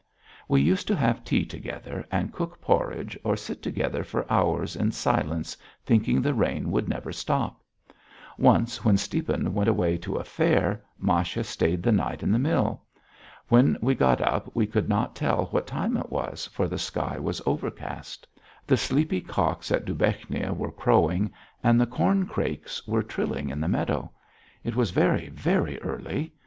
We used to have tea together and cook porridge, or sit together for hours in silence thinking the rain would never stop. Once when Stiepan went away to a fair, Masha stayed the night in the mill. When we got up we could not tell what time it was for the sky was overcast; the sleepy cocks at Dubechnia were crowing, and the corncrakes were trilling in the meadow; it was very, very early....